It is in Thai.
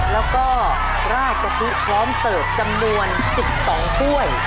แล้วก็ราดกะทิพร้อมเสิร์ฟจำนวน๑๒ถ้วย